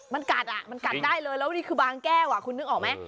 มันกัดอ่ะมันกัดได้เลยแล้วนี่คือบางแก้วคุณนึกออกไหม